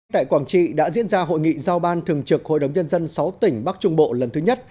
tại quảng trị đã diễn ra hội nghị giao ban thường trực hội đồng nhân dân sáu tỉnh bắc trung bộ lần thứ nhất